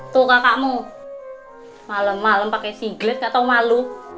tuh kakakmu malem malem pake singlet nggak tau malu